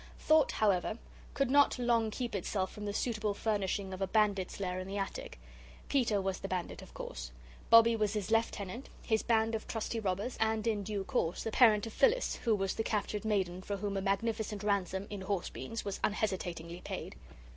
Thought, however, could not long keep itself from the suitable furnishing of a bandit's lair in the attic. Peter was the bandit, of course. Bobbie was his lieutenant, his band of trusty robbers, and, in due course, the parent of Phyllis, who was the captured maiden for whom a magnificent ransom in horse beans was unhesitatingly paid.